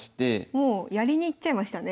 もうやりにいっちゃいましたね